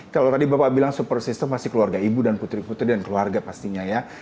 kalau tadi bapak bilang super system masih keluarga ibu dan putri putri dan keluarga pastinya ya